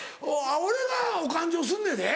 俺がお勘定すんねんで。